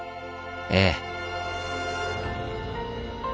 ええ。